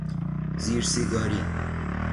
زیر سیگاری